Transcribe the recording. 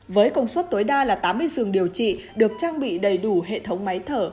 với công suất tối đa là tám mươi giường điều trị được trang bị đầy đủ hệ thống máy thở